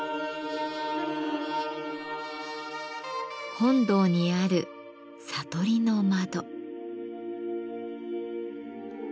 本堂にある「悟りの窓」。